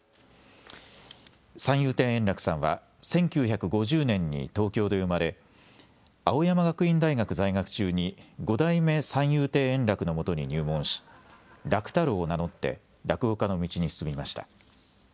三遊亭円楽さんは１９５０年に東京で生まれ青山学院大学在学中に五代目三遊亭円楽のもとに入門し楽太郎を名乗って落語家の道に進みました。